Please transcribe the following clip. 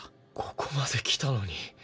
ここまできたのに。